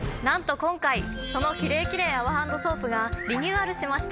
今回そのキレイキレイ泡ハンドソープがリニューアルしました！